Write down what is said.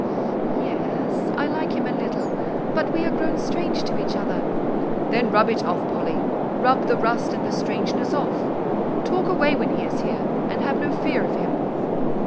Y—e—s, I like him a little; but we are grown strange to each other." "Then rub it off, Polly; rub the rust and the strangeness off. Talk away when he is here, and have no fear of him?"